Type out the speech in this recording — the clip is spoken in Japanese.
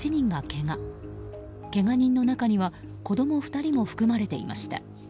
けが人の中には子供２人も含まれていました。